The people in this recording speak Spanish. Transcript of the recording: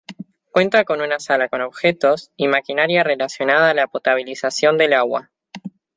Cuenta con una sala con objetos y maquinaria relacionada a la potabilización del agua.